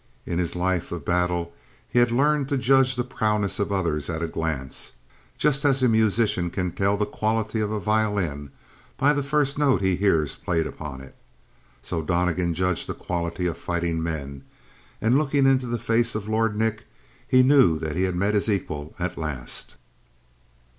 In his life of battle he had learned to judge the prowess of others at a glance, just as a musician can tell the quality of a violin by the first note he hears played upon it. So Donnegan judged the quality of fighting men, and, looking into the face of Lord Nick, he knew that he had met his equal at last.